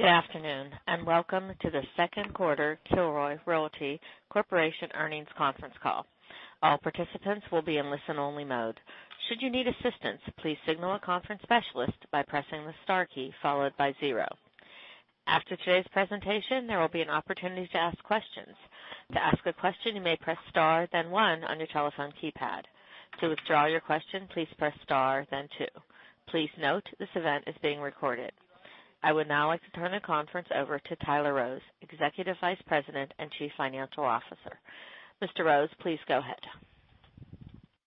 Good afternoon, welcome to the second quarter Kilroy Realty Corporation earnings conference call. All participants will be in listen only mode. Should you need assistance, please signal a conference specialist by pressing the star key followed by zero. After today's presentation, there will be an opportunity to ask questions. To ask a question, you may press star, then one on your telephone keypad. To withdraw your question, please press star, then two. Please note this event is being recorded. I would now like to turn the conference over to Tyler Rose, Executive Vice President and Chief Financial Officer. Mr. Rose, please go ahead.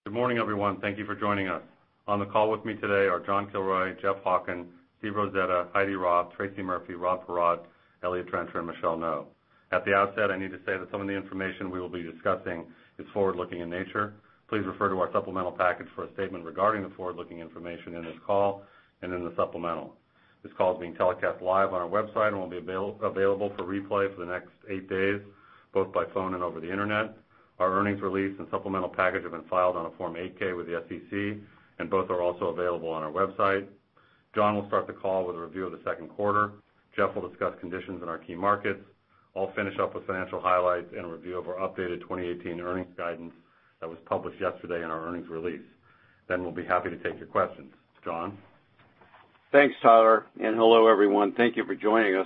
Good morning, everyone. Thank you for joining us. On the call with me today are John Kilroy, Jeff Hawken, Steve Rosetta, Heidi Roth, Tracy Murphy, Rob Paratte, Elliott Trencher, and Michelle Ngo. At the outset, I need to say that some of the information we will be discussing is forward-looking in nature. Please refer to our supplemental package for a statement regarding the forward-looking information in this call and in the supplemental. This call is being telecast live on our website and will be available for replay for the next eight days, both by phone and over the Internet. Our earnings release and supplemental package have been filed on a Form 8-K with the SEC, both are also available on our website. John will start the call with a review of the second quarter. Jeff will discuss conditions in our key markets. I'll finish up with financial highlights and a review of our updated 2018 earnings guidance that was published yesterday in our earnings release. We'll be happy to take your questions. John? Thanks, Tyler, hello, everyone. Thank you for joining us.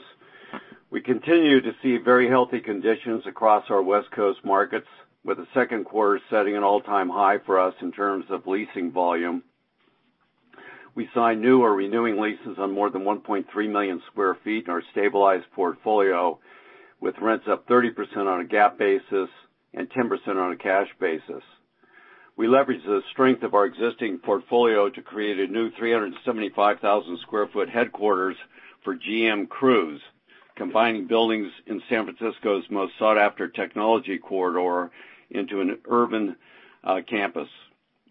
We continue to see very healthy conditions across our West Coast markets, with the second quarter setting an all-time high for us in terms of leasing volume. We signed new or renewing leases on more than 1.3 million square feet in our stabilized portfolio, with rents up 30% on a GAAP basis and 10% on a cash basis. We leveraged the strength of our existing portfolio to create a new 375,000 square foot headquarters for GM Cruise, combining buildings in San Francisco's most sought-after technology corridor into an urban campus.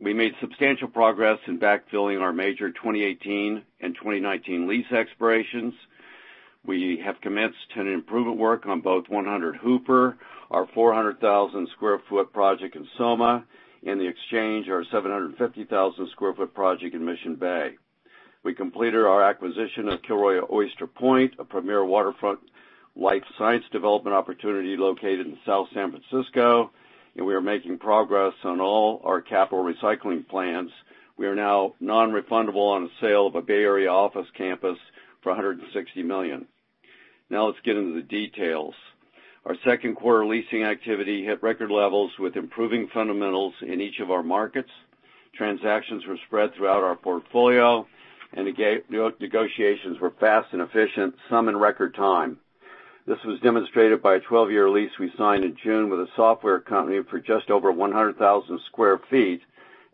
We made substantial progress in backfilling our major 2018 and 2019 lease expirations. We have commenced tenant improvement work on both 100 Hooper, our 400,000 square foot project in SoMa, and The Exchange, our 750,000 square foot project in Mission Bay. We completed our acquisition of Kilroy Oyster Point, a premier waterfront life science development opportunity located in South San Francisco, and we are making progress on all our capital recycling plans. We are now non-refundable on the sale of a Bay Area office campus for $160 million. Let's get into the details. Our second quarter leasing activity hit record levels with improving fundamentals in each of our markets. Transactions were spread throughout our portfolio, and negotiations were fast and efficient, some in record time. This was demonstrated by a 12-year lease we signed in June with a software company for just over 100,000 sq ft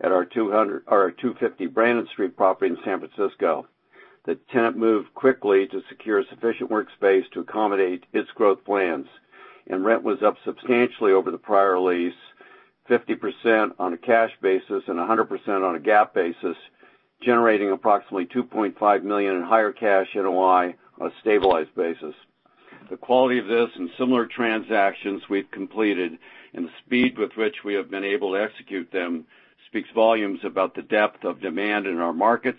at our 250 Brannan Street property in San Francisco. The tenant moved quickly to secure sufficient workspace to accommodate its growth plans, and rent was up substantially over the prior lease, 50% on a cash basis and 100% on a GAAP basis, generating approximately $2.5 million in higher cash NOI on a stabilized basis. The quality of this and similar transactions we've completed and the speed with which we have been able to execute them speaks volumes about the depth of demand in our markets,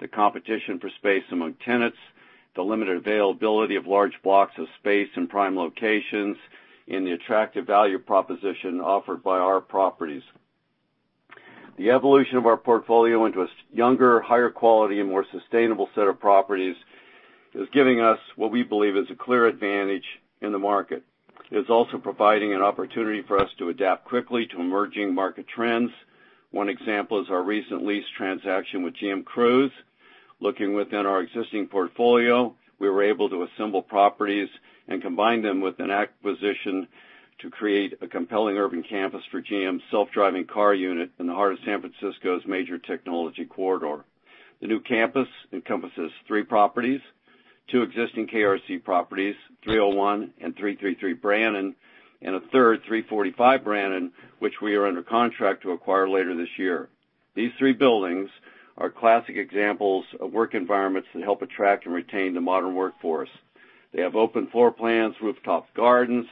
the competition for space among tenants, the limited availability of large blocks of space in prime locations, and the attractive value proposition offered by our properties. The evolution of our portfolio into a younger, higher quality and more sustainable set of properties is giving us what we believe is a clear advantage in the market. It's also providing an opportunity for us to adapt quickly to emerging market trends. One example is our recent lease transaction with GM Cruise. Looking within our existing portfolio, we were able to assemble properties and combine them with an acquisition to create a compelling urban campus for GM's self-driving car unit in the heart of San Francisco's major technology corridor. The new campus encompasses three properties, two existing KRC properties, 301 and 333 Brannan, and a third, 345 Brannan, which we are under contract to acquire later this year. These three buildings are classic examples of work environments that help attract and retain the modern workforce. They have open floor plans, rooftop gardens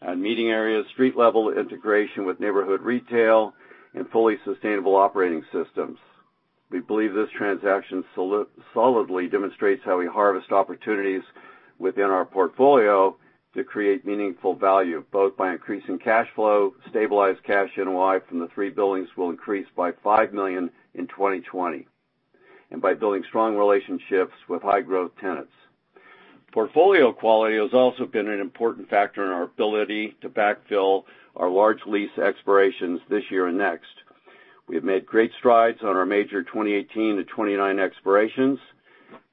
and meeting areas, street-level integration with neighborhood retail, and fully sustainable operating systems. We believe this transaction solidly demonstrates how we harvest opportunities within our portfolio to create meaningful value, both by increasing cash flow, stabilized cash NOI from the three buildings will increase by $5 million in 2020, and by building strong relationships with high-growth tenants. Portfolio quality has also been an important factor in our ability to backfill our large lease expirations this year and next. We have made great strides on our major 2018 to 2019 expirations.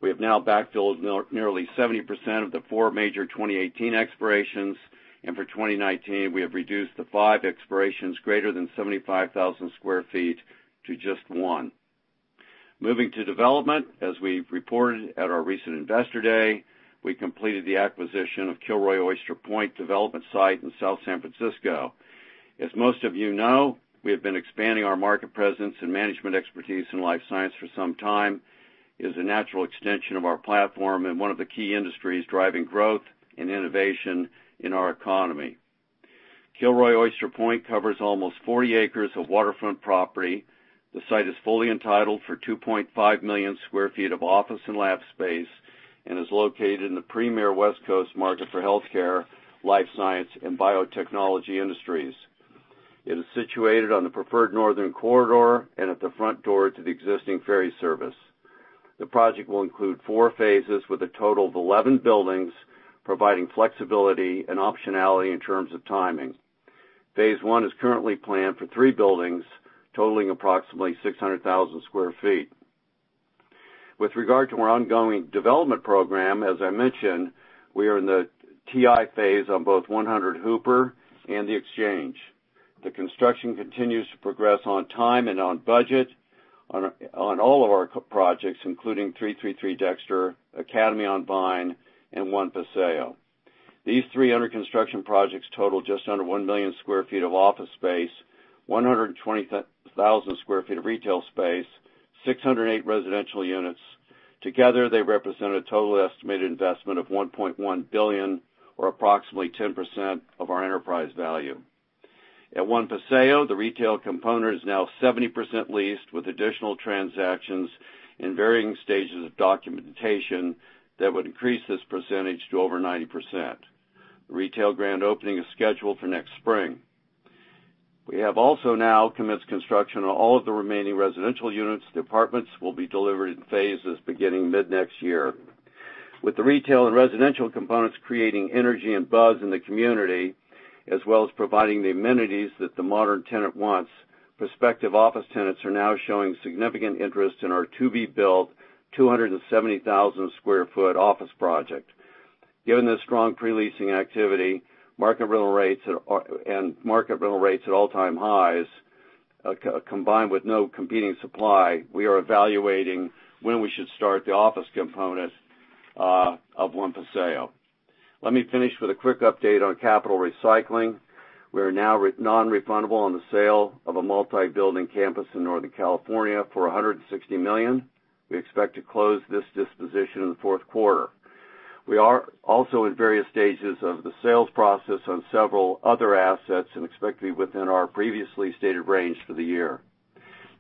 We have now backfilled nearly 70% of the four major 2018 expirations, and for 2019, we have reduced the five expirations greater than 75,000 sq ft to just one. Moving to development, as we've reported at our recent Investor Day, we completed the acquisition of Kilroy Oyster Point development site in South San Francisco. As most of you know, we have been expanding our market presence and management expertise in life science for some time. It is a natural extension of our platform and one of the key industries driving growth and innovation in our economy. Kilroy Oyster Point covers almost 40 acres of waterfront property. The site is fully entitled for 2.5 million sq ft of office and lab space, and is located in the premier West Coast market for healthcare, life science, and biotechnology industries. It is situated on the preferred northern corridor and at the front door to the existing ferry service. The project will include four phases with a total of 11 buildings, providing flexibility and optionality in terms of timing. Phase one is currently planned for three buildings, totaling approximately 600,000 sq ft. With regard to our ongoing development program, as I mentioned, we are in the TI phase on both 100 Hooper and The Exchange. The construction continues to progress on time and on budget on all of our projects, including 333 Dexter, Academy on Vine, and One Paseo. These three under-construction projects total just under one million sq ft of office space, 120,000 sq ft of retail space, 608 residential units. Together, they represent a total estimated investment of $1.1 billion, or approximately 10% of our enterprise value. At One Paseo, the retail component is now 70% leased, with additional transactions in varying stages of documentation that would increase this percentage to over 90%. The retail grand opening is scheduled for next spring. We have also now commenced construction on all of the remaining residential units. The apartments will be delivered in phases beginning mid-next year. With the retail and residential components creating energy and buzz in the community, as well as providing the amenities that the modern tenant wants, prospective office tenants are now showing significant interest in our to-be-built 270,000 sq ft office project. Given the strong pre-leasing activity and market rental rates at all-time highs, combined with no competing supply, we are evaluating when we should start the office component of One Paseo. Let me finish with a quick update on capital recycling. We are now non-refundable on the sale of a multi-building campus in Northern California for $160 million. We expect to close this disposition in the fourth quarter. We are also in various stages of the sales process on several other assets and expect to be within our previously stated range for the year.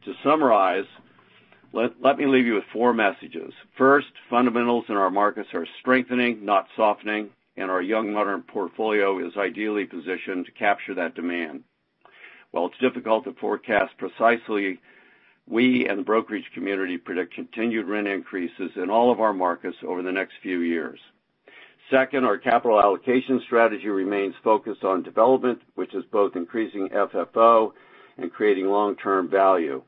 To summarize, let me leave you with four messages. First, fundamentals in our markets are strengthening, not softening, and our young, modern portfolio is ideally positioned to capture that demand. While it's difficult to forecast precisely, we and the brokerage community predict continued rent increases in all of our markets over the next few years. Second, our capital allocation strategy remains focused on development, which is both increasing FFO and creating long-term value.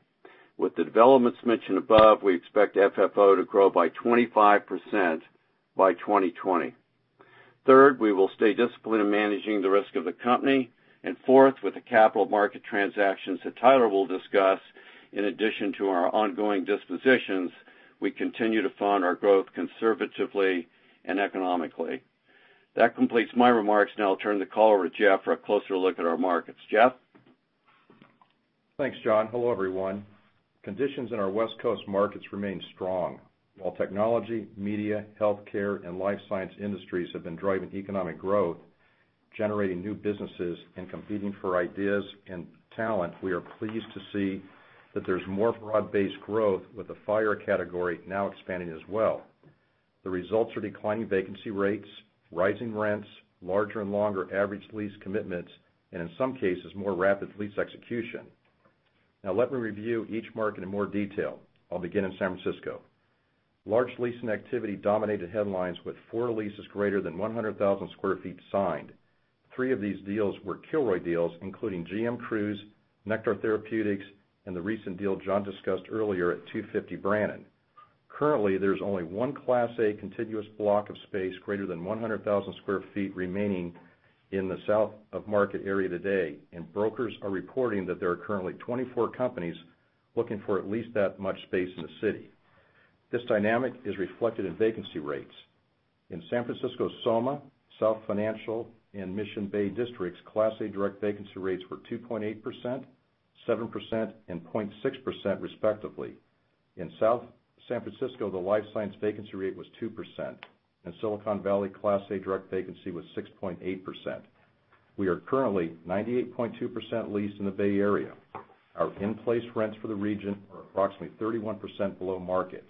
With the developments mentioned above, we expect FFO to grow by 25% by 2020. Third, we will stay disciplined in managing the risk of the company. Fourth, with the capital market transactions that Tyler will discuss, in addition to our ongoing dispositions, we continue to fund our growth conservatively and economically. That completes my remarks. Now I'll turn the call over to Jeff for a closer look at our markets. Jeff? Thanks, John. Hello, everyone. Conditions in our West Coast markets remain strong. While technology, media, healthcare, and life science industries have been driving economic growth, generating new businesses, and competing for ideas and talent, we are pleased to see that there's more broad-based growth, with the FIRE category now expanding as well. The results are declining vacancy rates, rising rents, larger and longer average lease commitments, and in some cases, more rapid lease execution. Let me review each market in more detail. I'll begin in San Francisco. Large leasing activity dominated headlines, with 4 leases greater than 100,000 sq ft signed. 3 of these deals were Kilroy deals, including GM Cruise, Nektar Therapeutics, and the recent deal John discussed earlier at 250 Brannan. Currently, there's only 1 Class A contiguous block of space greater than 100,000 sq ft remaining in the South of Market area today. Brokers are reporting that there are currently 24 companies looking for at least that much space in the city. This dynamic is reflected in vacancy rates. In San Francisco, SoMA, South Financial District, and Mission Bay districts, Class A direct vacancy rates were 2.8%, 7%, and 0.6%, respectively. In South San Francisco, the life science vacancy rate was 2%, and Silicon Valley Class A direct vacancy was 6.8%. We are currently 98.2% leased in the Bay Area. Our in-place rents for the region are approximately 31% below market.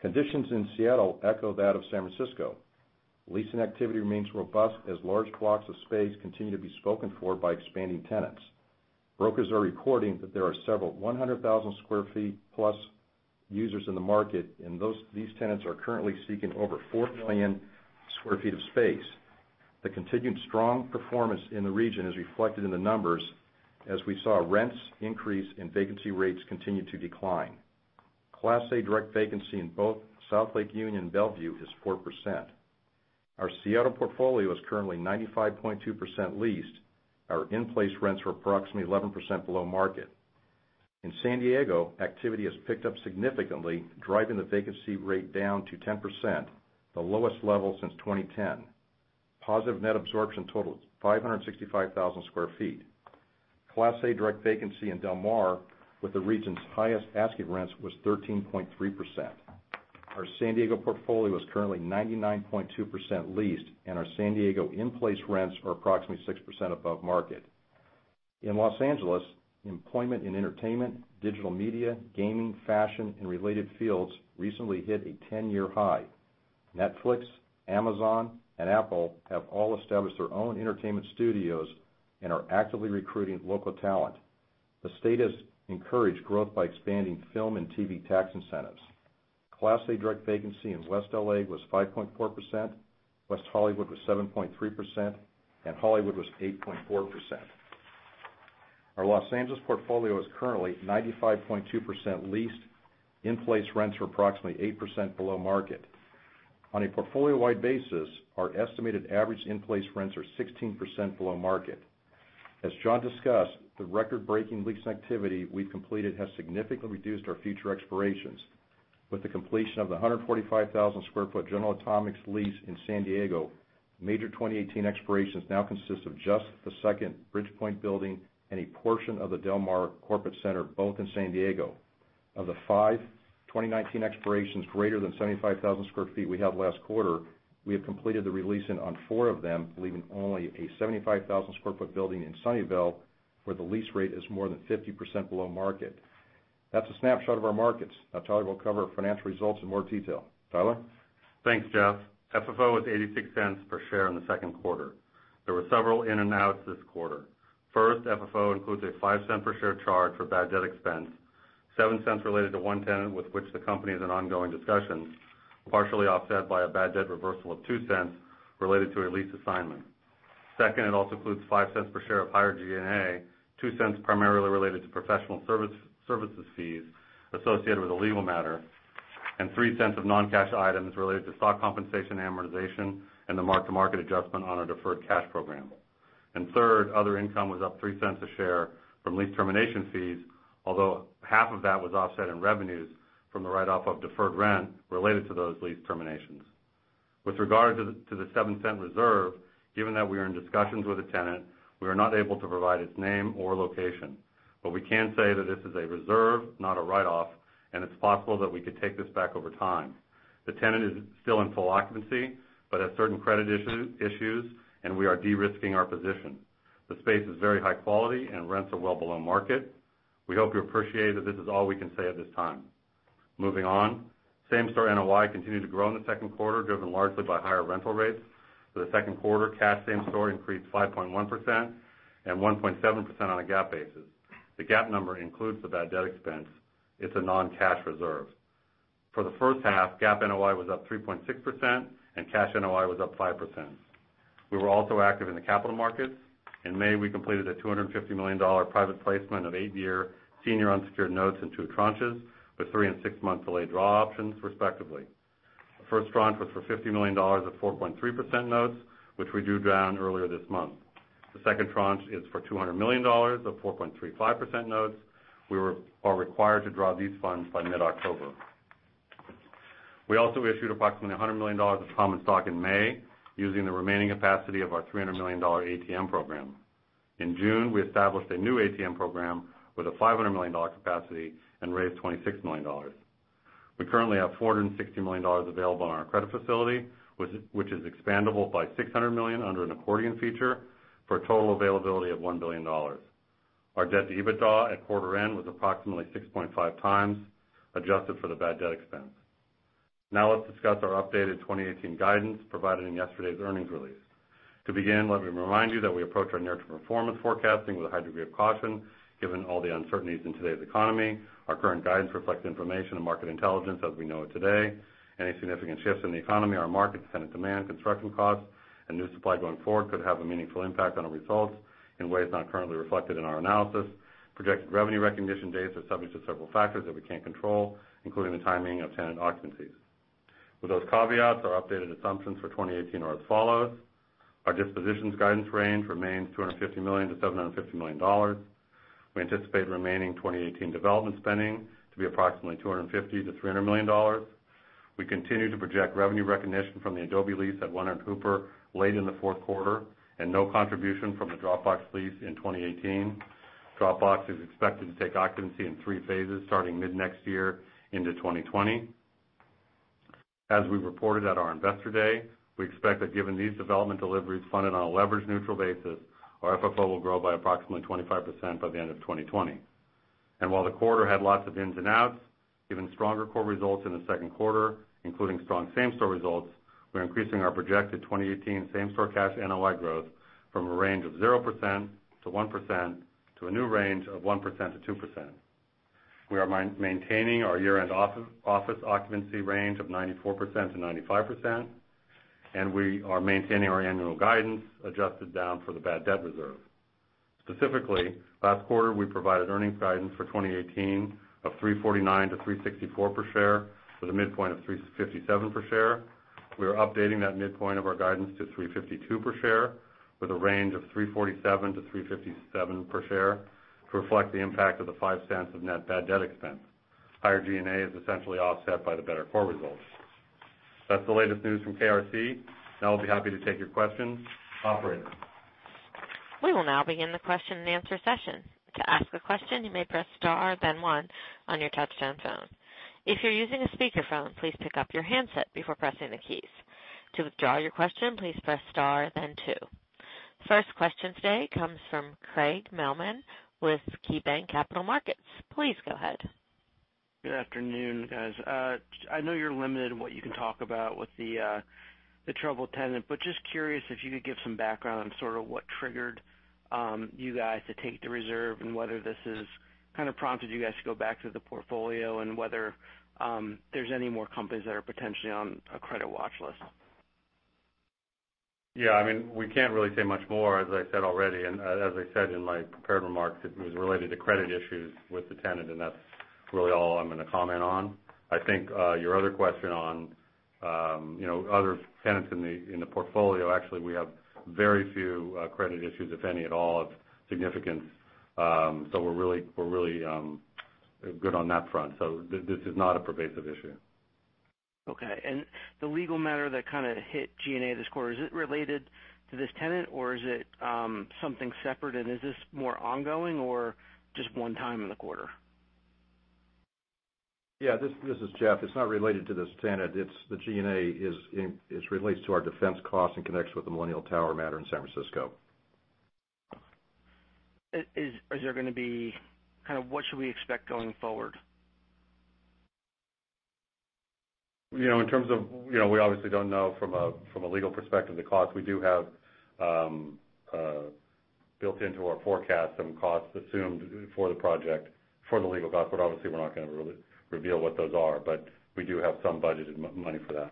Conditions in Seattle echo that of San Francisco. Leasing activity remains robust as large blocks of space continue to be spoken for by expanding tenants. Brokers are reporting that there are several 100,000 sq ft-plus users in the market. These tenants are currently seeking over 4 million sq ft of space. The continued strong performance in the region is reflected in the numbers, as we saw rents increase and vacancy rates continue to decline. Class A direct vacancy in both South Lake Union and Bellevue is 4%. Our Seattle portfolio is currently 95.2% leased. Our in-place rents were approximately 11% below market. In San Diego, activity has picked up significantly, driving the vacancy rate down to 10%, the lowest level since 2010. Positive net absorption totals 565,000 sq ft. Class A direct vacancy in Del Mar with the region's highest asking rents was 13.3%. Our San Diego portfolio is currently 99.2% leased, and our San Diego in-place rents are approximately 6% above market. In Los Angeles, employment in entertainment, digital media, gaming, fashion, and related fields recently hit a 10-year high. Netflix, Amazon, and Apple have all established their own entertainment studios and are actively recruiting local talent. The state has encouraged growth by expanding film and TV tax incentives. Class A direct vacancy in West L.A. was 5.4%, West Hollywood was 7.3%, and Hollywood was 8.4%. Our Los Angeles portfolio is currently 95.2% leased. In-place rents are approximately 8% below market. On a portfolio-wide basis, our estimated average in-place rents are 16% below market. As John discussed, the record-breaking lease activity we've completed has significantly reduced our future expirations. With the completion of the 145,000 sq ft General Atomics lease in San Diego, major 2018 expirations now consist of just the second Bridgepoint building and a portion of the Del Mar Corporate Center, both in San Diego. Of the five 2019 expirations greater than 75,000 sq ft we had last quarter, we have completed the re-leasing on four of them, leaving only a 75,000 sq ft building in Sunnyvale, where the lease rate is more than 50% below market. That's a snapshot of our markets. Tyler will cover financial results in more detail. Tyler? Thanks, Jeff. FFO was $0.86 per share in the second quarter. There were several in and outs this quarter. First, FFO includes a $0.05 per share charge for bad debt expense, $0.07 related to one tenant with which the company is in ongoing discussions, partially offset by a bad debt reversal of $0.02 related to a lease assignment. Second, it also includes $0.05 per share of higher G&A, $0.02 primarily related to professional services fees associated with a legal matter, and $0.03 of non-cash items related to stock compensation amortization and the mark-to-market adjustment on our deferred cash program. Third, other income was up $0.03 a share from lease termination fees, although half of that was offset in revenues from the write-off of deferred rent related to those lease terminations. With regard to the $0.07 reserve, given that we are in discussions with a tenant, we are not able to provide its name or location. We can say that this is a reserve, not a write-off, and it's possible that we could take this back over time. The tenant is still in full occupancy, but has certain credit issues, and we are de-risking our position. The space is very high quality, and rents are well below market. We hope you appreciate that this is all we can say at this time. Moving on. Same store NOI continued to grow in the second quarter, driven largely by higher rental rates. For the second quarter, cash same store increased 5.1%, and 1.7% on a GAAP basis. The GAAP number includes the bad debt expense. It's a non-cash reserve. For the first half, GAAP NOI was up 3.6%, and cash NOI was up 5%. We were also active in the capital markets. In May, we completed a $250 million private placement of eight-year senior unsecured notes in two tranches, with three and six-month delay draw options, respectively. The first tranche was for $50 million of 4.3% notes, which we drew down earlier this month. The second tranche is for $200 million of 4.35% notes. We are required to draw these funds by mid-October. We also issued approximately $100 million of common stock in May, using the remaining capacity of our $300 million ATM program. In June, we established a new ATM program with a $500 million capacity and raised $26 million. We currently have $460 million available on our credit facility, which is expandable by $600 million under an accordion feature, for a total availability of $1 billion. Our debt-to-EBITDA at quarter end was approximately 6.5 times, adjusted for the bad debt expense. Let's discuss our updated 2018 guidance provided in yesterday's earnings release. To begin, let me remind you that we approach our near-term performance forecasting with a high degree of caution, given all the uncertainties in today's economy. Our current guidance reflects information and market intelligence as we know it today. Any significant shifts in the economy or market, tenant demand, construction costs, and new supply going forward could have a meaningful impact on our results in ways not currently reflected in our analysis. Projected revenue recognition dates are subject to several factors that we can't control, including the timing of tenant occupancies. With those caveats, our updated assumptions for 2018 are as follows. Our dispositions guidance range remains $250 million-$750 million. We anticipate remaining 2018 development spending to be approximately $250 million-$300 million. We continue to project revenue recognition from the Adobe lease at 100 Hooper late in the fourth quarter, and no contribution from the Dropbox lease in 2018. Dropbox is expected to take occupancy in 3 phases, starting mid-next year into 2020. As we reported at our investor day, we expect that given these development deliveries funded on a leverage-neutral basis, our FFO will grow by approximately 25% by the end of 2020. While the quarter had lots of ins and outs, given stronger core results in the second quarter, including strong same store results, we're increasing our projected 2018 same store cash NOI growth from a range of 0%-1%, to a new range of 1%-2%. We are maintaining our year-end office occupancy range of 94%-95%. We are maintaining our annual guidance, adjusted down for the bad debt reserve. Specifically, last quarter, we provided earnings guidance for 2018 of $3.49-$3.64 per share, with a midpoint of $3.57 per share. We are updating that midpoint of our guidance to $3.52 per share, with a range of $3.47-$3.57 per share to reflect the impact of the $0.05 of net bad debt expense. Higher G&A is essentially offset by the better core results. That's the latest news from KRC. I'll be happy to take your questions. Operator? We will now begin the question and answer session. To ask a question, you may press star 1 on your touch-tone phone. If you're using a speakerphone, please pick up your handset before pressing the keys. To withdraw your question, please press star 2. First question today comes from Craig Mailman with KeyBanc Capital Markets. Please go ahead. Good afternoon, guys. I know you're limited in what you can talk about with the troubled tenant, just curious if you could give some background on sort of what triggered you guys to take the reserve, and whether this has kind of prompted you guys to go back to the portfolio, and whether there's any more companies that are potentially on a credit watch list. Yeah, we can't really say much more, as I said already, as I said in my prepared remarks, it was related to credit issues with the tenant, that's really all I'm going to comment on. I think your other question on other tenants in the portfolio, actually, we have very few credit issues, if any, at all, of significance. We're really good on that front. This is not a pervasive issue. Okay. The legal matter that kind of hit G&A this quarter, is it related to this tenant or is it something separate? Is this more ongoing or just one time in the quarter? Yeah, this is Jeff. It's not related to this tenant. The G&A is related to our defense costs in connection with the Millennium Tower matter in San Francisco. What should we expect going forward? We obviously don't know from a legal perspective, the cost. We do have, built into our forecast, some costs assumed for the project for the legal costs. Obviously, we're not going to reveal what those are. We do have some budgeted money for that.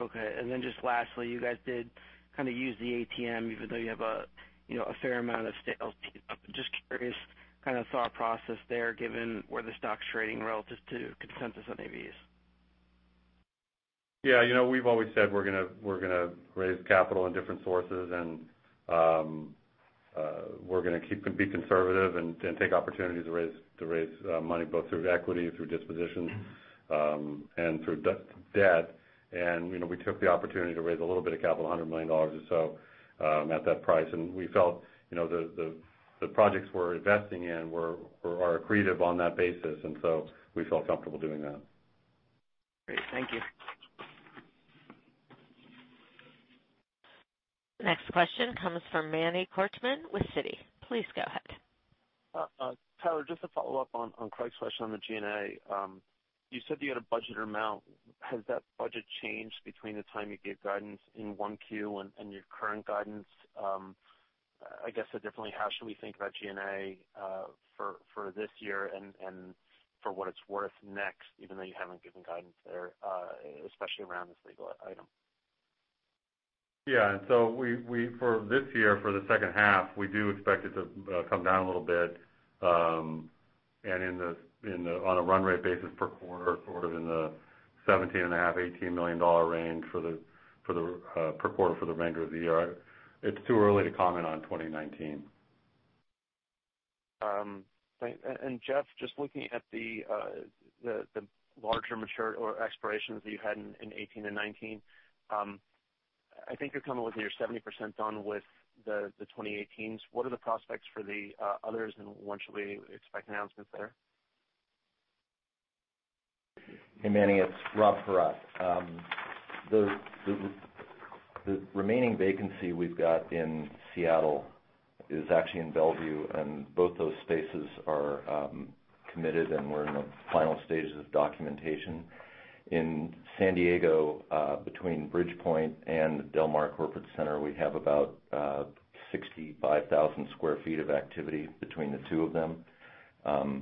Okay. Just lastly, you guys did kind of use the ATM even though you have a fair amount of sales. Just curious, kind of thought process there, given where the stock's trading relative to consensus on NAVs. Yeah. We've always said we're going to raise capital in different sources and we're going to keep conservative and take opportunities to raise money both through equity, through disposition, and through debt. We took the opportunity to raise a little bit of capital, $100 million or so, at that price. We felt the projects we're investing in are accretive on that basis, we felt comfortable doing that. Great. Thank you. Next question comes from Manny Korchman with Citi. Please go ahead. Tyler, just to follow up on Craig's question on the G&A. You said you had a budget amount. Has that budget changed between the time you gave guidance in 1Q and your current guidance? I guess differently, how should we think about G&A for this year and for what it's worth next, even though you haven't given guidance there, especially around this legal item? Yeah. For this year, for the second half, we do expect it to come down a little bit. On a run rate basis per quarter, sort of in the $17.5, $18 million range per quarter for the remainder of the year. It's too early to comment on 2019. just looking at the larger major expirations that you had in 2018 and 2019. I think you're coming with you're 70% done with the 2018s. What are the prospects for the others, and when should we expect announcements there? Hey, Manny, it's Rob Paratte. The remaining vacancy we've got in Seattle is actually in Bellevue, and both those spaces are committed, and we're in the final stages of documentation. In San Diego, between Bridgepoint and Del Mar Corporate Center, we have about 65,000 sq ft of activity between the two of them.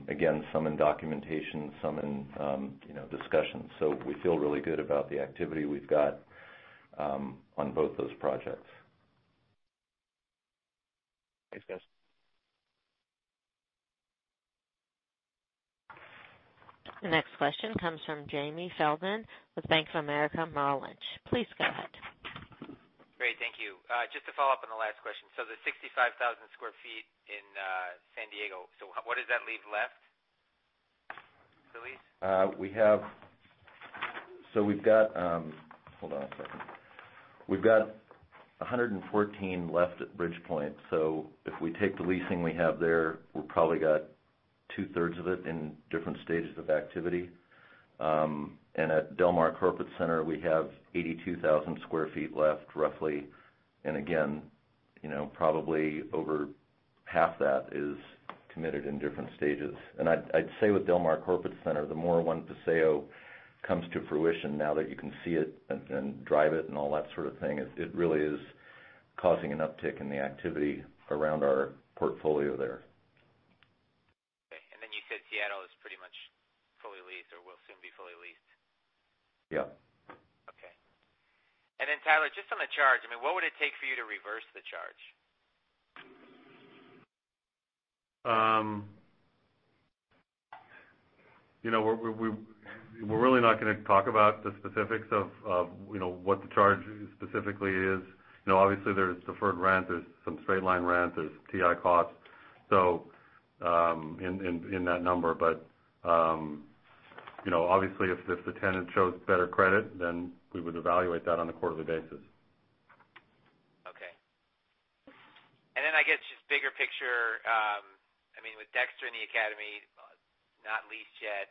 Again, some in documentation, some in discussions. We feel really good about the activity we've got on both those projects. Thanks, guys. The next question comes from Jamie Feldman with Bank of America Merrill Lynch. Please go ahead. Thank you. Just to follow up on the last question. The 65,000 square feet in San Diego, what does that leave left to lease? Hold on a second. We've got 114 left at Bridgepoint, if we take the leasing we have there, we probably got two-thirds of it in different stages of activity. At Del Mar Corporate Center, we have 82,000 square feet left, roughly. Again probably over half that is committed in different stages. I'd say with Del Mar Corporate Center, the more One Paseo comes to fruition now that you can see it and drive it and all that sort of thing, it really is causing an uptick in the activity around our portfolio there. Okay. You said Seattle is pretty much fully leased or will soon be fully leased. Yeah. Okay. Tyler, just on the charge, what would it take for you to reverse the charge? We're really not going to talk about the specifics of what the charge specifically is. Obviously, there's deferred rent, there's some straight line rent, there's TI costs in that number. Obviously, if the tenant shows better credit, then we would evaluate that on a quarterly basis. Okay. Then I guess just bigger picture, with Dexter and The Academy not leased yet,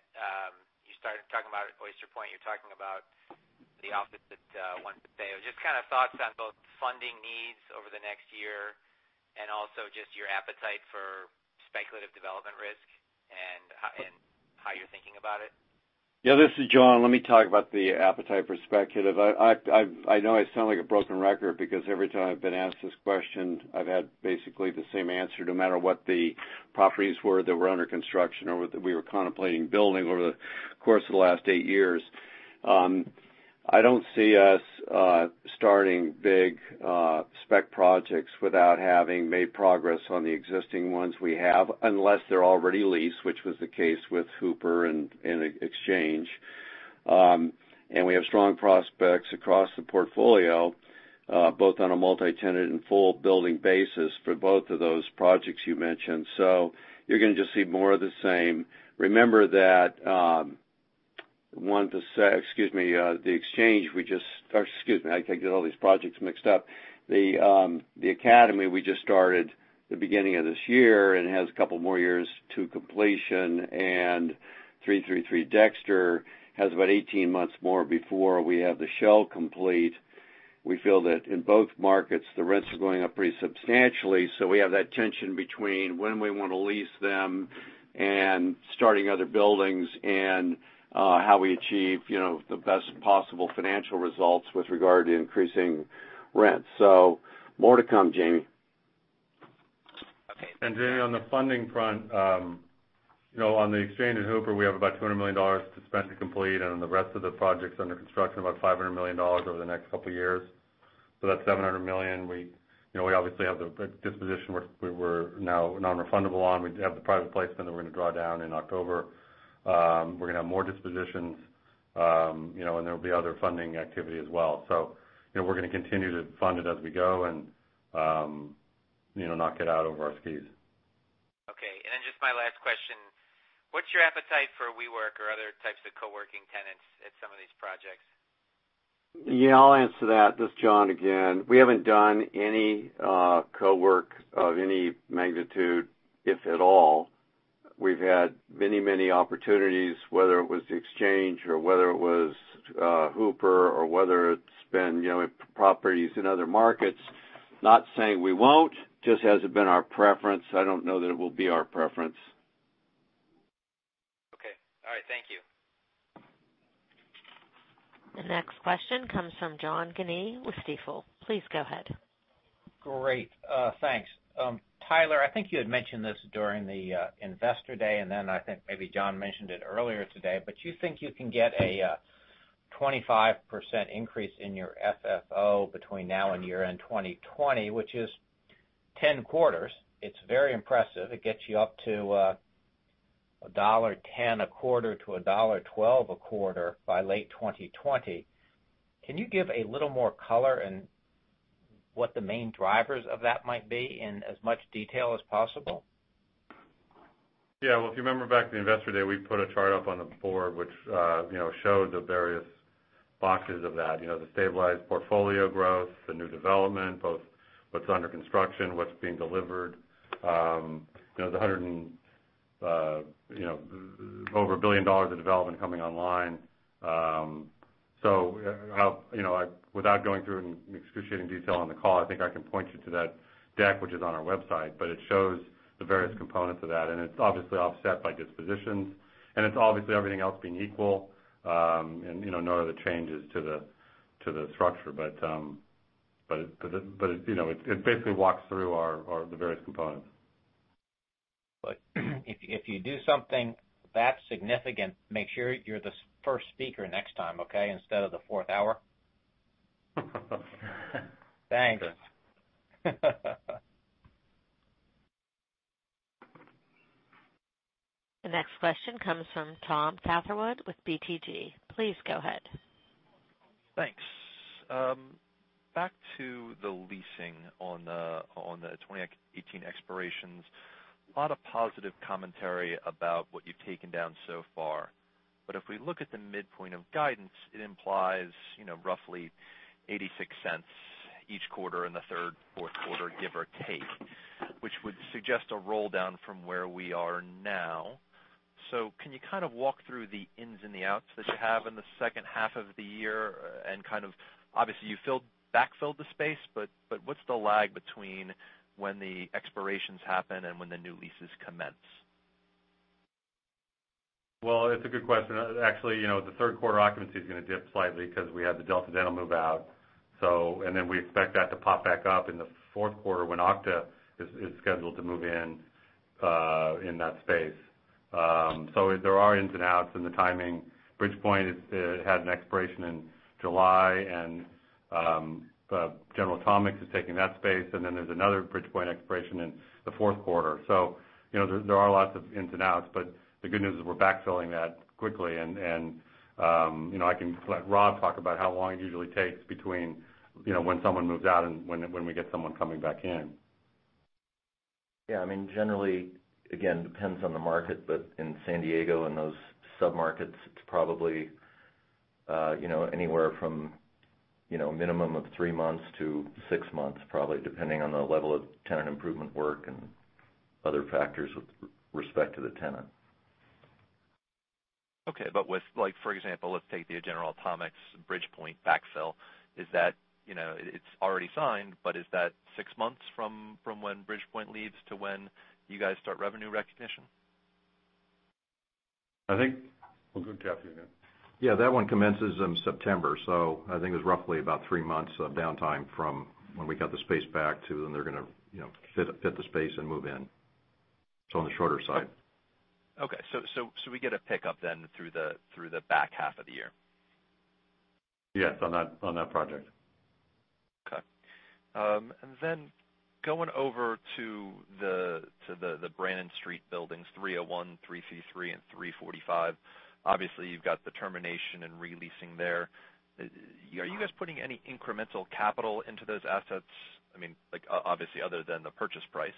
you started talking about at Oyster Point, you're talking about the office that One Paseo. Just kind of thoughts on both funding needs over the next year and also just your appetite for speculative development risk and how you're thinking about it. Yeah, this is John. Let me talk about the appetite for speculative. I know I sound like a broken record because every time I've been asked this question, I've had basically the same answer, no matter what the properties were that were under construction or that we were contemplating building over the course of the last 8 years. I don't see us starting big spec projects without having made progress on the existing ones we have, unless they're already leased, which was the case with Hooper and Exchange. We have strong prospects across the portfolio, both on a multi-tenant and full building basis for both of those projects you mentioned. You're going to just see more of the same. Remember that The Academy we just started the beginning of this year, and it has a couple more years to completion, and 333 Dexter has about 18 months more before we have the shell complete. We feel that in both markets, the rents are going up pretty substantially. We have that tension between when we want to lease them and starting other buildings and how we achieve the best possible financial results with regard to increasing rents. More to come, Jamie. Okay. Jamie, on the funding front, on The Exchange and Hooper, we have about $200 million to spend to complete, and on the rest of the projects under construction, about $500 million over the next couple of years. That's $700 million. We obviously have the disposition where we're now nonrefundable on. We have the private placement that we're going to draw down in October. There'll be other funding activity as well. We're going to continue to fund it as we go and knock it out over our skis. Okay. Then just my last question, what's your appetite for WeWork or other types of co-working tenants at some of these projects? Yeah, I'll answer that. This is John again. We haven't done any co-work of any magnitude, if at all. We've had many opportunities, whether it was The Exchange or whether it was Hooper or whether it's been properties in other markets. Not saying we won't, just hasn't been our preference. I don't know that it will be our preference. Okay. All right. Thank you. The next question comes from John Guinee with Stifel. Please go ahead. Great. Thanks, Tyler. I think you had mentioned this during the investor day, and then I think maybe John mentioned it earlier today, but you think you can get a 25% increase in your FFO between now and year-end 2020, which is 10 quarters. It's very impressive. It gets you up to $1.10 a quarter to $1.12 a quarter by late 2020. Can you give a little more color in what the main drivers of that might be in as much detail as possible? Well, if you remember back to the investor day, we put a chart up on the board, which showed the various boxes of that. The stabilized portfolio growth, the new development, both what's under construction, what's being delivered, the 100 and over $1 billion of development coming online. Without going through in excruciating detail on the call, I think I can point you to that deck, which is on our website, but it shows the various components of that, and it's obviously offset by dispositions, and it's obviously everything else being equal, and no other changes to the structure. It basically walks through the various components. If you do something that significant, make sure you're the first speaker next time, okay? Instead of the fourth hour. Thanks. The next question comes from Thomas Catherwood with BTIG. Please go ahead. Thanks. Back to the leasing on the 2018 expirations. A lot of positive commentary about what you've taken down so far. If we look at the midpoint of guidance, it implies roughly $0.86 each quarter in the third, fourth quarter, give or take, which would suggest a roll-down from where we are now. Can you kind of walk through the ins and the outs that you have in the second half of the year, and kind of, obviously, you back-filled the space, but what's the lag between when the expirations happen and when the new leases commence? Well, it's a good question. Actually, the third-quarter occupancy is going to dip slightly because we have the Delta Dental move-out. We expect that to pop back up in the fourth quarter when Okta is scheduled to move in in that space. There are ins and outs in the timing. Bridgepoint had an expiration in July, General Atomics is taking that space, there's another Bridgepoint expiration in the fourth quarter. There are lots of ins and outs, but the good news is we're backfilling that quickly. I can let Rob talk about how long it usually takes between when someone moves out and when we get someone coming back in. Yeah. Generally, again, depends on the market, in San Diego and those sub-markets, it's probably anywhere from a minimum of three months to six months, probably, depending on the level of tenant improvement work and other factors with respect to the tenant. For example, let's take the General Atomics Bridgepoint backfill. It's already signed, is that six months from when Bridgepoint leaves to when you guys start revenue recognition? We'll go to Jeff again. Yeah. That one commences in September. I think there's roughly about three months of downtime from when we got the space back to when they're going to fit the space and move in. On the shorter side. Okay. We get a pick-up then through the back half of the year. Yes, on that project. Okay. Then going over to the Brannan Street buildings 301, 333, and 345. Obviously, you've got the termination and re-leasing there. Are you guys putting any incremental capital into those assets? Obviously, other than the purchase price.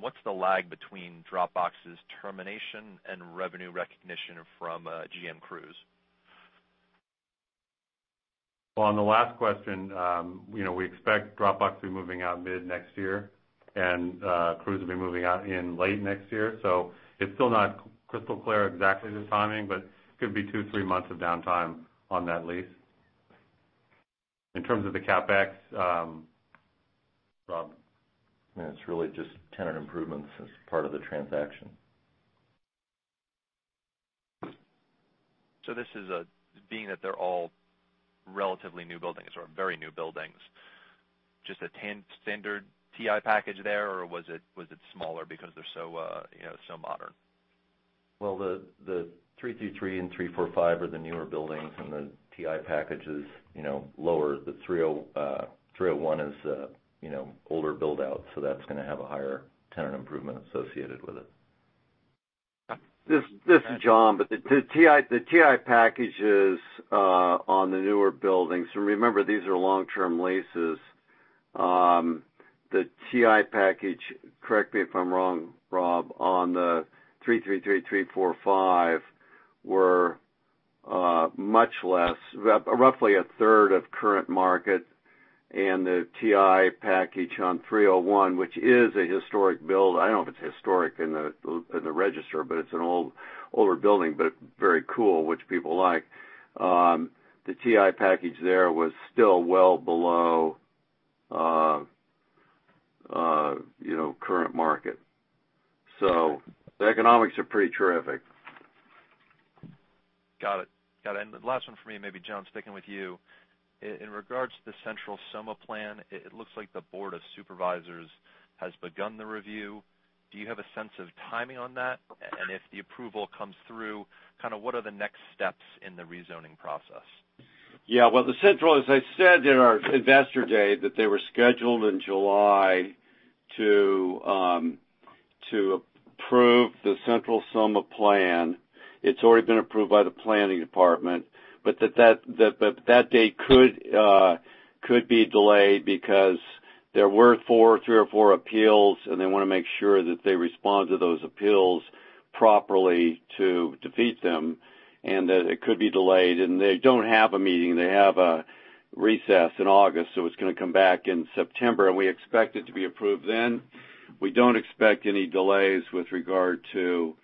What's the lag between Dropbox's termination and revenue recognition from GM Cruise? On the last question, we expect Dropbox to be moving out mid next year, and Cruise will be moving in in late next year. It's still not crystal clear exactly the timing, but could be two, three months of downtime on that lease. In terms of the CapEx, Rob. It's really just tenant improvements as part of the transaction. Being that they're all relatively new buildings, or very new buildings, just a standard TI package there, or was it smaller because they're so modern? The 333 and 345 are the newer buildings, and the TI package is lower. The 301 is older build-out, that's going to have a higher tenant improvement associated with it. This is John. The TI packages on the newer buildings, and remember, these are long-term leases. The TI package, correct me if I'm wrong, Rob, on the 333, 345 were much less, roughly a third of current market. The TI package on 301, which is a historic build. I don't know if it's historic in the register, but it's an older building, but very cool, which people like. The TI package there was still well below current market. The economics are pretty terrific. Got it. The last one for me, maybe John, sticking with you. In regards to the Central SoMa plan, it looks like the board of supervisors has begun the review. Do you have a sense of timing on that? If the approval comes through, what are the next steps in the rezoning process? Yeah. Well, as I said in our investor day, that they were scheduled in July to approve the Central SoMa plan. It's already been approved by the planning department, but that date could be delayed because there were 3 or 4 appeals, and they want to make sure that they respond to those appeals properly to defeat them, and that it could be delayed. They don't have a meeting. They have a recess in August, so it's going to come back in September, and we expect it to be approved then. We don't expect any delays with regard to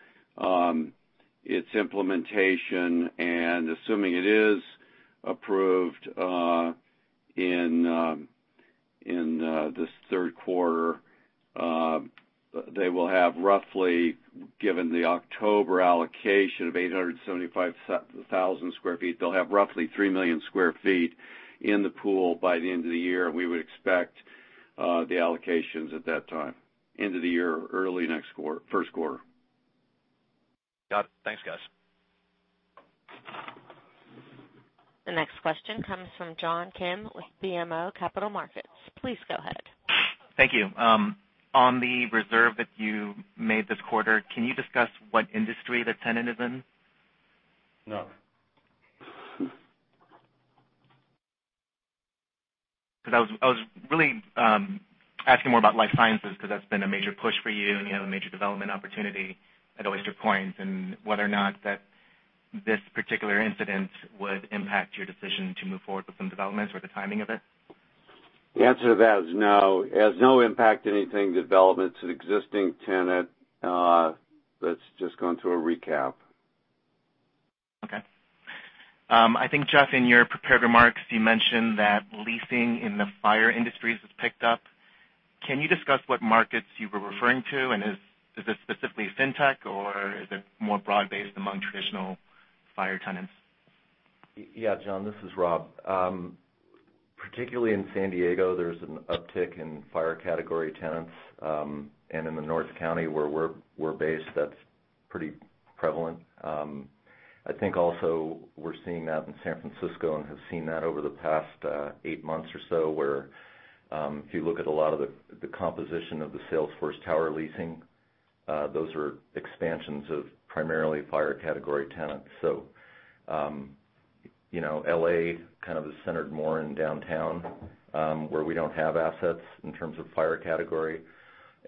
its implementation. Assuming it is approved in this third quarter, they will have roughly, given the October allocation of 875,000 square feet, they'll have roughly 3 million square feet in the pool by the end of the year. We would expect the allocations at that time, end of the year or early first quarter. Got it. Thanks, guys. The next question comes from John Kim with BMO Capital Markets. Please go ahead. Thank you. On the reserve that you made this quarter, can you discuss what industry the tenant is in? No. I was really asking more about life sciences, because that's been a major push for you, and you have a major development opportunity at Oyster Point, and whether or not this particular incident would impact your decision to move forward with some developments or the timing of it. The answer to that is no. It has no impact, anything development. It's an existing tenant that's just going through a recap. Okay. I think, Jeff, in your prepared remarks, you mentioned that leasing in the FIRE industries has picked up. Can you discuss what markets you were referring to, and is this specifically fintech, or is it more broad-based among traditional FIRE tenants? Yeah, John, this is Rob. Particularly in San Diego, there is an uptick in FIRE category tenants. In the North County, where we are based, that is pretty prevalent. I think also we are seeing that in San Francisco and have seen that over the past 8 months or so, where if you look at a lot of the composition of the Salesforce Tower leasing, those are expansions of primarily FIRE category tenants. L.A. kind of is centered more in downtown, where we do not have assets in terms of FIRE category.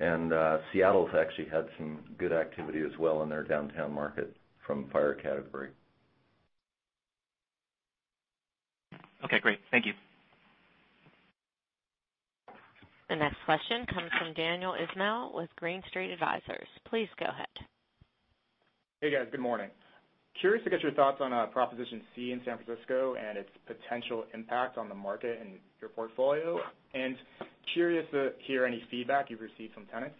Seattle has actually had some good activity as well in their downtown market from FIRE category. Okay, great. Thank you. The next question comes from Daniel Ismail with Green Street Advisors. Please go ahead. Hey, guys. Good morning. Curious to get your thoughts on Proposition C in San Francisco and its potential impact on the market and your portfolio. Curious to hear any feedback you've received from tenants.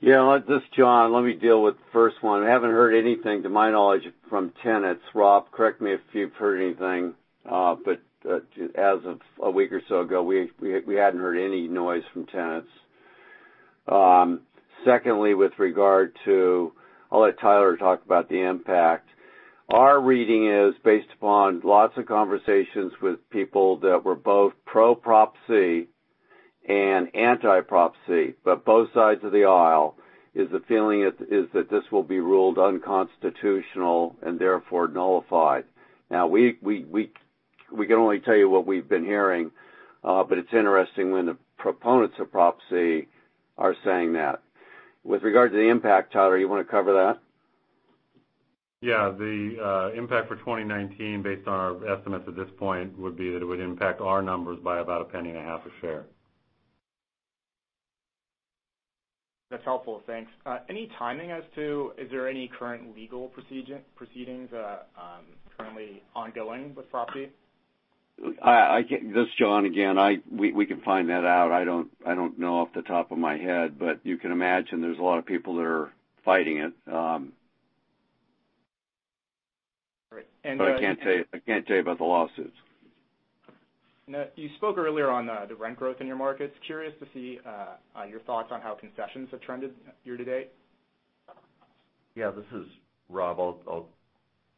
Yeah. This is John. Let me deal with the first one. I haven't heard anything, to my knowledge, from tenants. Rob, correct me if you've heard anything. As of a week or so ago, we hadn't heard any noise from tenants. Secondly, I'll let Tyler talk about the impact. Our reading is based upon lots of conversations with people that were both pro-Prop C and anti-Prop C, both sides of the aisle is the feeling is that this will be ruled unconstitutional and therefore nullified. We can only tell you what we've been hearing. It's interesting when the proponents of Prop C are saying that. With regard to the impact, Tyler, you want to cover that? Yeah. The impact for 2019, based on our estimates at this point, would be that it would impact our numbers by about a penny and a half a share. That's helpful. Thanks. Any timing as to, is there any current legal proceedings that are currently ongoing with Prop C? This is John again. We can find that out. I don't know off the top of my head, you can imagine there's a lot of people that are fighting it. All right. I can't tell you about the lawsuits. Now, you spoke earlier on the rent growth in your markets. Curious to see your thoughts on how concessions have trended year to date. This is Rob.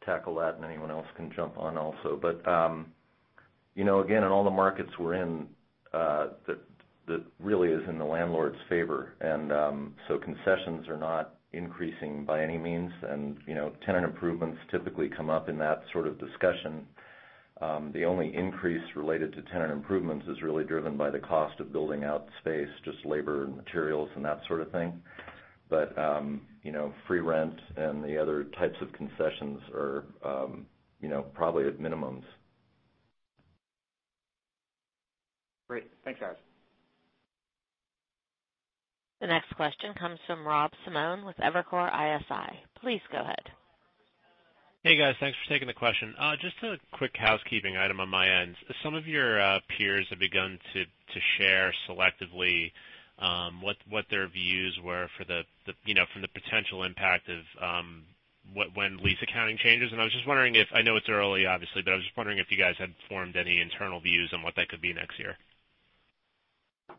Anyone else can jump on also. Again, in all the markets we're in, that really is in the landlord's favor. Concessions are not increasing by any means. Tenant improvements typically come up in that sort of discussion. The only increase related to tenant improvements is really driven by the cost of building out space, just labor and materials and that sort of thing. Free rent and the other types of concessions are probably at minimums. Great. Thanks, guys. The next question comes from Robert Simone with Evercore ISI. Please go ahead. Hey, guys. Thanks for taking the question. Just a quick housekeeping item on my end. Some of your peers have begun to share selectively what their views were from the potential impact of when lease accounting changes. I know it's early, obviously, but I was just wondering if you guys had formed any internal views on what that could be next year.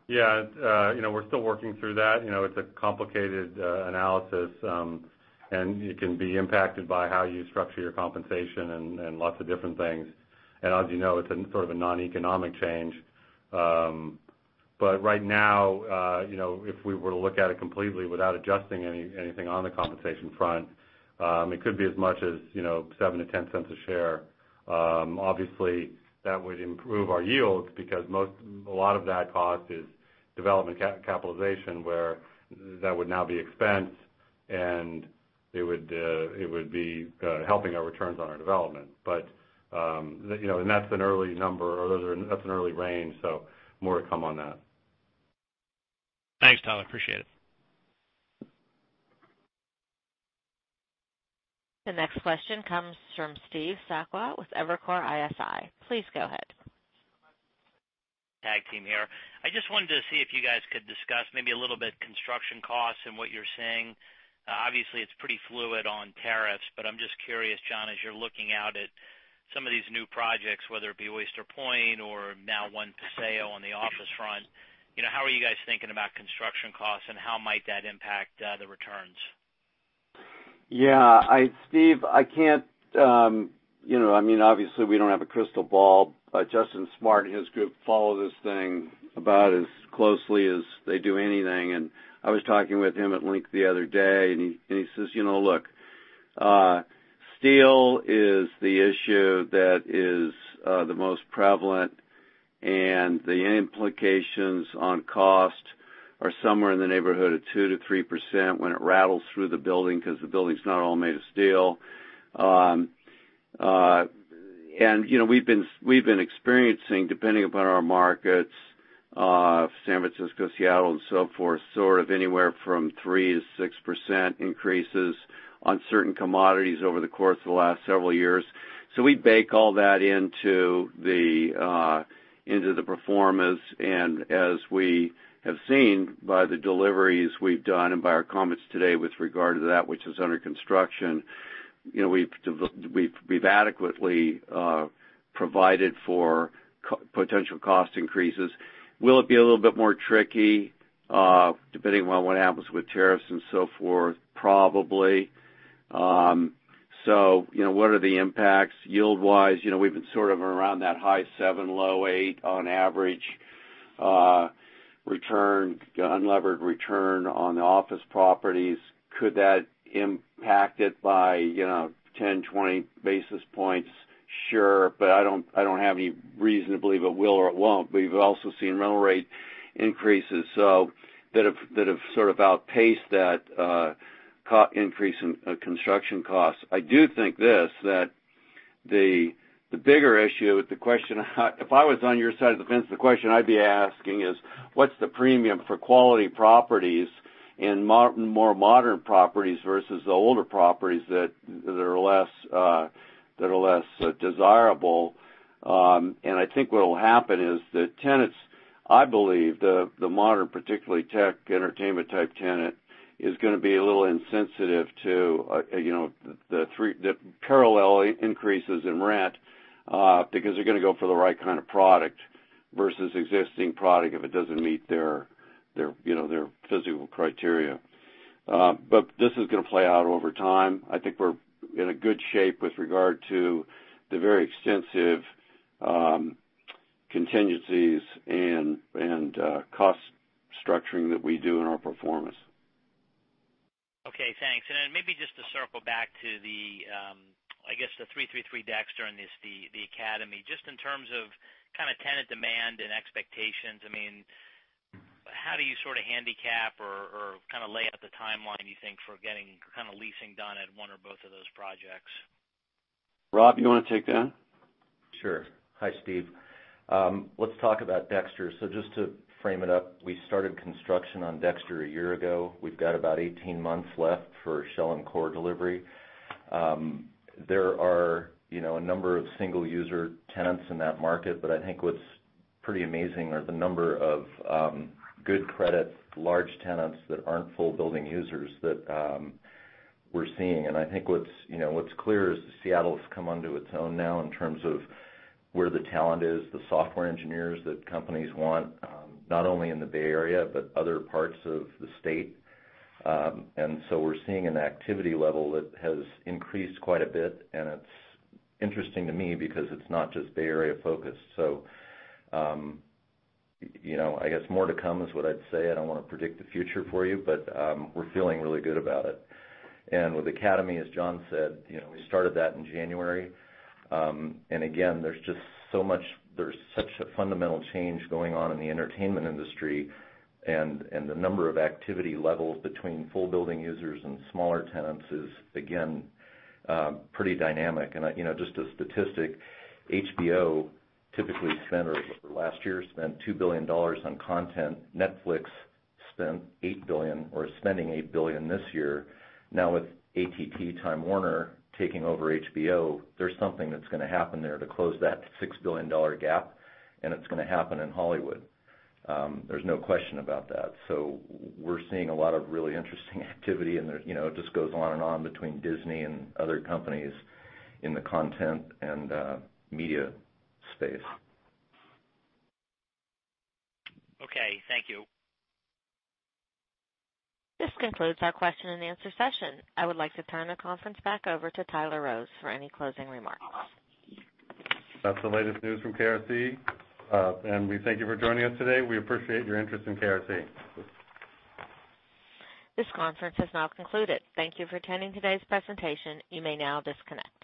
Yeah. We're still working through that. It's a complicated analysis, and it can be impacted by how you structure your compensation and lots of different things. As you know, it's sort of a non-economic change. Right now, if we were to look at it completely without adjusting anything on the compensation front, it could be as much as $0.07 to $0.10 a share. Obviously, that would improve our yields because a lot of that cost is development capitalization, where that would now be expensed, and it would be helping our returns on our development. That's an early number, or that's an early range, so more to come on that. Thanks, Tyler. Appreciate it. The next question comes from Steve Sakwa with Evercore ISI. Please go ahead. Tag team here. I just wanted to see if you guys could discuss maybe a little bit construction costs and what you're seeing. Obviously, it's pretty fluid on tariffs, but I'm just curious, John, as you're looking out at some of these new projects, whether it be Oyster Point or now One Paseo on the office front. How are you guys thinking about construction costs, and how might that impact the returns? Yeah. Steve, obviously, we don't have a crystal ball. Justin Smart and his group follow this thing about as closely as they do anything. I was talking with him at Link the other day, and he says, "Look, steel is the issue that is the most prevalent, and the implications on cost are somewhere in the neighborhood of 2%-3% when it rattles through the building, because the building's not all made of steel." We've been experiencing, depending upon our markets, San Francisco, Seattle, and so forth, sort of anywhere from 3%-6% increases on certain commodities over the course of the last several years. We bake all that into the performance. As we have seen by the deliveries we've done and by our comments today with regard to that which is under construction, we've adequately provided for potential cost increases. Will it be a little bit more tricky? Depending on what happens with tariffs and so forth, probably. What are the impacts yield-wise? We've been sort of around that high 7, low 8 on average return, unlevered return on office properties. Could that impact it by 10, 20 basis points? Sure. I don't have any reason to believe it will or it won't. We've also seen rental rate increases, that have sort of outpaced that increase in construction costs. I do think this, that the bigger issue with the question. If I was on your side of the fence, the question I'd be asking is, what's the premium for quality properties and more modern properties versus the older properties that are less desirable? I think what'll happen is that tenants, I believe the modern, particularly tech, entertainment-type tenant, is gonna be a little insensitive to the parallel increases in rent, because they're gonna go for the right kind of product versus existing product if it doesn't meet their physical criteria. This is gonna play out over time. I think we're in a good shape with regard to the very extensive contingencies and cost structuring that we do in our performance. Okay, thanks. Then maybe just to circle back to, I guess the 333 Dexter and the Academy. Just in terms of tenant demand and expectations, how do you sort of handicap or kind of lay out the timeline, you think, for getting kind of leasing done at one or both of those projects? Rob, you want to take that? Sure. Hi, Steve. Let's talk about Dexter. Just to frame it up, we started construction on Dexter a year ago. We've got about 18 months left for shell and core delivery. There are a number of single-user tenants in that market, but I think what's pretty amazing are the number of good credit, large tenants that aren't full building users that we're seeing. I think what's clear is that Seattle's come onto its own now in terms of where the talent is, the software engineers that companies want, not only in the Bay Area, but other parts of the state. We're seeing an activity level that has increased quite a bit, and it's interesting to me because it's not just Bay Area-focused. I guess more to come is what I'd say. I don't want to predict the future for you, but we're feeling really good about it. With Academy, as John said, we started that in January. Again, there's such a fundamental change going on in the entertainment industry, and the number of activity levels between full building users and smaller tenants is, again, pretty dynamic. Just a statistic, HBO typically spent, or last year spent $2 billion on content. Netflix spent $8 billion, or is spending $8 billion this year. Now with AT&T, Time Warner taking over HBO, there's something that's going to happen there to close that $6 billion gap, and it's going to happen in Hollywood. There's no question about that. We're seeing a lot of really interesting activity, and it just goes on and on between Disney and other companies in the content and media space. Okay, thank you. This concludes our question and answer session. I would like to turn the conference back over to Tyler Rose for any closing remarks. That's the latest news from KRC. We thank you for joining us today. We appreciate your interest in KRC. This conference has now concluded. Thank you for attending today's presentation. You may now disconnect.